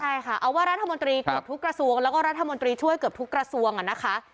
ใช่ค่ะเอาว่ารัฐมนตรีเกือบทุกกระทรวงแล้วก็รัฐมนตรีช่วยเกือบทุกกระทรวงนะคะ